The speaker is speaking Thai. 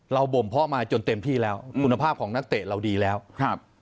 บ่มเพาะมาจนเต็มที่แล้วคุณภาพของนักเตะเราดีแล้วครับ